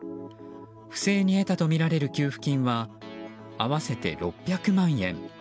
不正に得たとみられる給付金は合わせて６００万円。